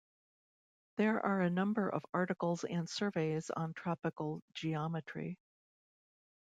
There are a number of articles and surveys on tropical geometry.